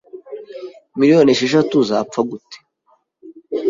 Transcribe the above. Miliyoni esheshatu zapfa gute